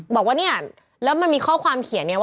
บอกว่าเนี่ยแล้วมันมีข้อความเขียนเนี่ย